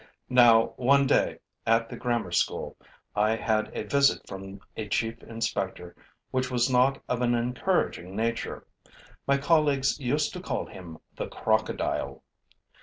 Now, one day, at the grammar school, I had a visit from a chief inspector which was not of an encouraging nature. My colleagues used to call him the Crocodile.